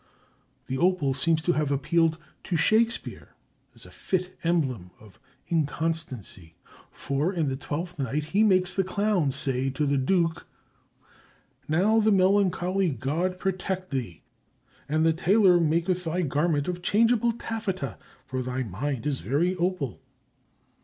The opal seems to have appealed to Shakespeare as a fit emblem of inconstancy, for in "Twelfth Night" he makes the clown say to the Duke: Now the melancholy God protect thee, and the Tailor make thy garment of changeable taffeta, for thy mind is very opal.